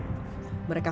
mereka kembali ke negara